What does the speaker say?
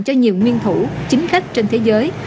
cho nhiều nguyên thủ chính khách trên thế giới